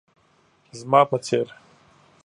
زما په څير